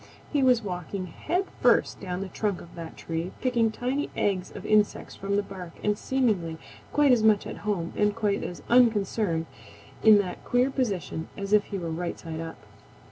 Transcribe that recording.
He was walking head first down the trunk of that tree, picking tiny eggs of insects from the bark and seemingly quite as much at home and quite as unconcerned in that queer position as if he were right side up.